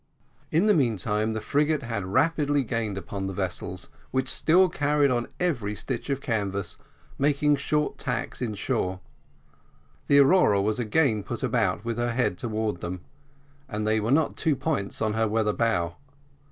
In the meantime the frigate had rapidly gained upon the vessels, which still carried on every stitch of canvas, making short tacks in shore. The Aurora was again put about with her head towards them, and they were not two points on her weather bow.